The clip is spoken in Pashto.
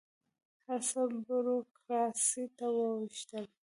هر څه بروکراسي ته واوښتل.